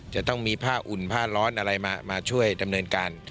จะต้องมีผ้าอุ่นผ้าร้อนอะไรมาช่วยดำเนินการ